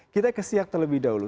kita kesiak terlebih dahulu